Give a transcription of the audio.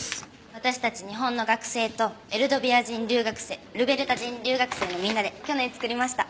私たち日本の学生とエルドビア人留学生ルベルタ人留学生のみんなで去年作りました。